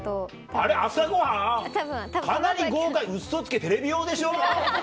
あれ朝ごはん⁉かなり豪華ウソつけテレビ用でしょ